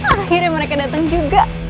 akhirnya mereka dateng juga